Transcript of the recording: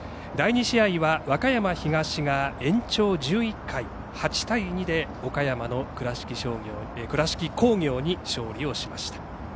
第２試合は和歌山東が延長１１回８対２で岡山の倉敷工業に勝利をしました。